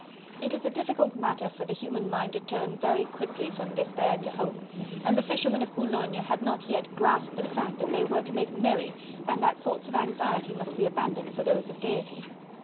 It is a difficult matter for the human mind to turn very quickly from despair to hope, and the fishermen of Boulogne had not yet grasped the fact that they were to make merry and that thoughts of anxiety must be abandoned for those of gaiety.